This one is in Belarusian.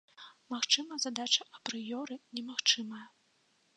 Магчыма, задача апрыёры немагчымая.